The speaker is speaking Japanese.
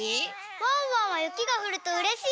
ワンワンはゆきがふるとうれしい？